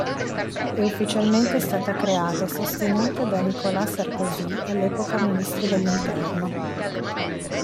È ufficialmente stata creata e sostenuta da Nicolas Sarkozy, all'epoca ministro dell'Interno.